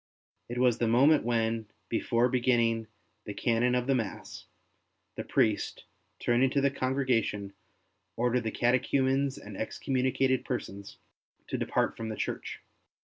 It was the moment when, before beginning the Canon of the Mass, the priest, turning to the congregation, ordered the catechumens and excommunicated persons to depart from the church.